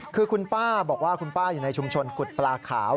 คือคุณป้าบอกว่าคุณป้าอยู่ในชุมชนกุฎปลาขาว